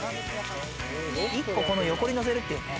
１個横にのせるっていうね。